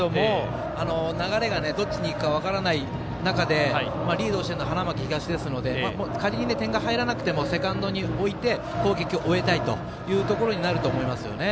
流れがどっちにいくか分からない中でリードしているのは花巻東ですので仮に点が入らなくてもセカンドに置いて攻撃したいということになると思いますよね。